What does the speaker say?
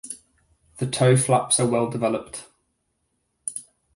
The toe flaps are well developed.